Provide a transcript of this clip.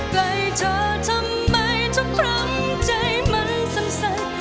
ใกล้จะทำไมถ้าพร้อมใจมันสำสัย